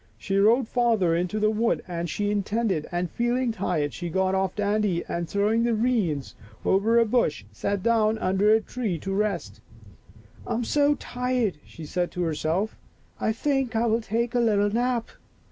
She rode farther into the wood than she intended and, feeling tired, she got off Dandy and, throwing the reins over a bush, sat down under a tree to rest. " I'm so tired," she said to herself, " I think I will take a little nap.